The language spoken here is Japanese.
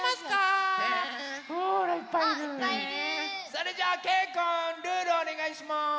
それじゃあけいくんルールおねがいします。